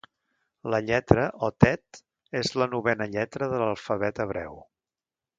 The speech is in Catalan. La lletra o tet és la novena lletra de l'alfabet hebreu.